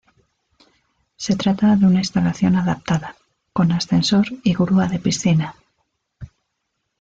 Se trata de una instalación adaptada, con ascensor y grúa de piscina.